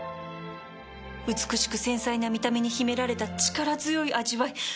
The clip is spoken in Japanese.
美しく繊細な見た目に秘められた力強い味わい